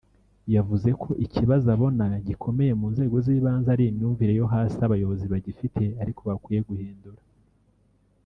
yavuze ko ikibazo abona gikomeye mu nzego z’ibanze ari imyumvire yo hasi abayobozi bagifite ariko bakwiye ghindura